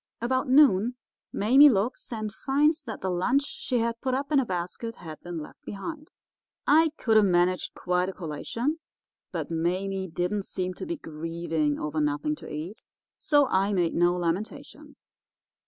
About noon Mame looks and finds that the lunch she had put up in a basket had been left behind. I could have managed quite a collation, but Mame didn't seem to be grieving over nothing to eat, so I made no lamentations.